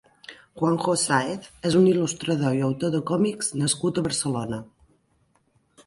Juanjo Sáez és un il·lustrador i autor de còmics nascut a Barcelona.